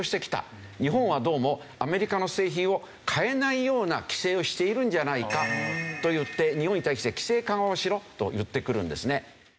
日本はどうもアメリカの製品を買えないような規制をしているんじゃないかといって日本に対して規制緩和をしろと言ってくるんですね。